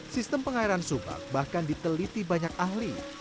sistem pengairan subak bahkan diteliti banyak ahli